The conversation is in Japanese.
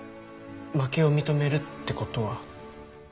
負けを認めるってことは。